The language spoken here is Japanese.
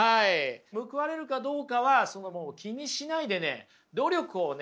報われるかどうかは気にしないでね努力をね